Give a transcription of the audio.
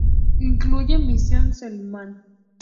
Incluye Misión Salim.